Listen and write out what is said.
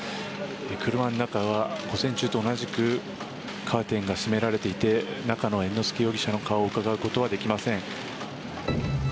車の中は午前中と同じくカーテンが閉められていて中の猿之助容疑者の顔をうかがうことはできません。